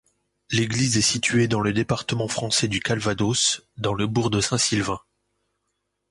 L'église est située dans le département français du Calvados, dans le bourg de Saint-Sylvain.